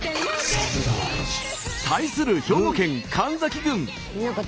対する兵庫県神崎郡。